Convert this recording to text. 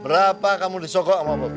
berapa kamu disokok sama bobby ha